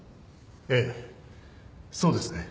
ええそうですね。